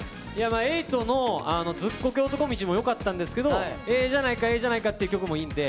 エイトのズッコケ男道もよかったんですけど、ええじゃないかええじゃないかっていう曲もいいんで。